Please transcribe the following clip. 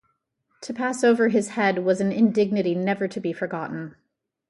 To pass over his head was an indignity never to be forgotten.